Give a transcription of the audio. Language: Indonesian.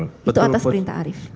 itu atas perintah arief